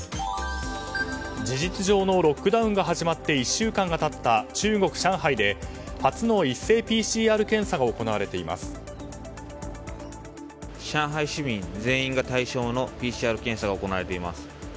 事実上のロックダウンが始まって１週間が経った中国・上海で初の一斉ＰＣＲ検査が上海市民全員が対象のＰＣＲ検査が行われています。